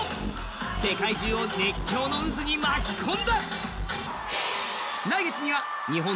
世界中を熱狂の渦に巻き込んだ。